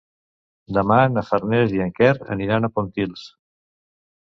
Demà na Farners i en Quer aniran a Pontils.